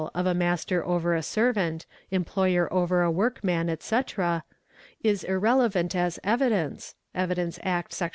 of a master over a servant, employer over a workman, &c.,) is irrelevant as evidence — (Evidence Act, Sec.